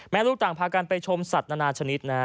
ลูกต่างพากันไปชมสัตว์นานาชนิดนะฮะ